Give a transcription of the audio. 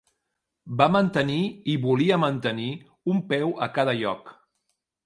Va mantenir i volia mantenir un peu a cada lloc.